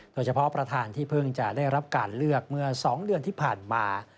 ประธานที่เพิ่งจะได้รับการเลือกเมื่อ๒เดือนที่ผ่านมา